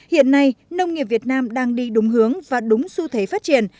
hiện nay nông nghiệp việt nam đang đi đúng hướng và đúng xu thế phát triển